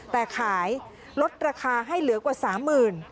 แต่ขายลดราคาให้เหลือกว่าสามหมื่น